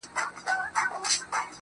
اوس چي گوله په بسم الله پورته كـــــــړم